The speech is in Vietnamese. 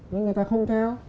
nhưng người ta không theo